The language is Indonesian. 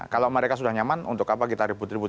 kalau mereka sudah nyaman untuk apa kita ribut ribut